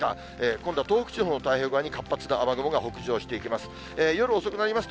今度は東北地方の太平洋側に活発な雨雲が北上していきます。